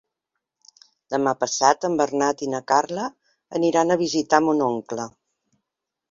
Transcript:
Demà passat en Bernat i na Carla aniran a visitar mon oncle.